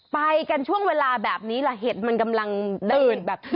ไปกันช่วงเวลาแบบนี้แหละเห็ดมันกำลังเดินแบบ